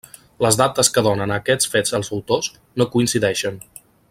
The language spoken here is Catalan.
Les dates que donen a aquests fets els autors, no coincideixen.